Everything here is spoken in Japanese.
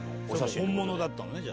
本物だったのね、じゃあ。